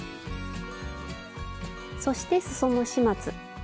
そしてすその始末。